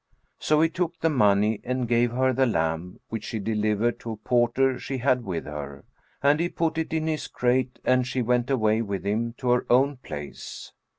So he took the money and gave her the lamb, which she delivered to a porter she had with her; and he put it in his crate and she went away with him to her own place.